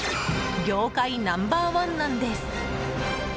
業界ナンバー１なんです。